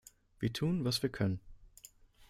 Wir tun, was wir können.